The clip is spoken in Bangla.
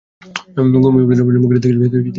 কুমু বিপ্রদাসের মুখের দিকে চেয়ে চমকে উঠল।